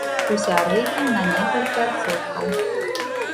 У сярэднім, на некалькі адсоткаў.